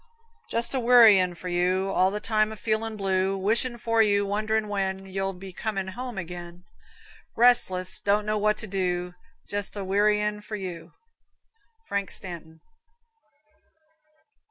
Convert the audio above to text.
Jest a wearyin' for you, All the time a feelin' blue; Wishin' for you, wonderin' when You'll be comin' home again; Restless don't know what to do Jest a wearyin' for you. Frank Stanton.